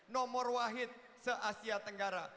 nomor wahid se asia tenggara